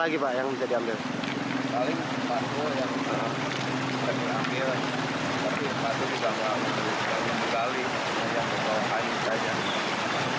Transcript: tapi batu juga mengalir